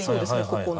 ここの。